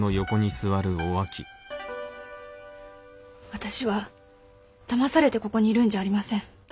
私はだまされてここにいるんじゃありません。